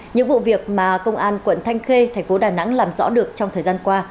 những vụ việc mà công an quận thanh khê thành phố đà nẵng làm rõ được trong thời gian qua